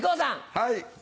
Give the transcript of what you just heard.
はい。